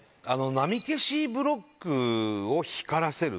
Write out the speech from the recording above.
波消しブロックを光らせる。